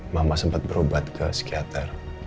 mama sempat berobat ke psikiater